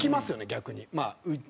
逆に。